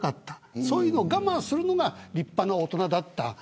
そういうのを我慢するのが立派な大人だった。